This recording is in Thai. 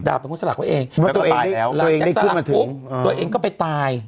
ดาบเป็นคนสลักตัวเองแล้วก็ตายแล้วตัวเองได้ขึ้นมาถึงตัวเองก็ไปตาย